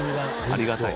ありがたい。